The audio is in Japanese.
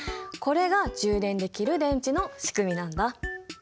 これが充電できる電池のしくみなんだ。